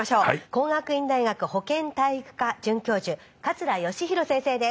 工学院大学保健体育科准教授桂良寛先生です。